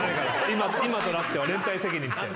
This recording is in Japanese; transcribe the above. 今となっては連帯責任って。